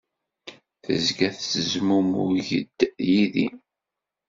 Tezga tettezmumug-d yid-i.